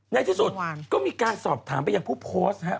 ในที่สุดก็มีการสอบถามไปยังผู้โพสต์ฮะ